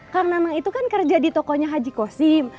kang nanang itu kan kerja di tokonya haji kho sim